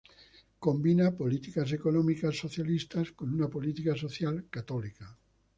Combina políticas económicas socialistas con una política social católica.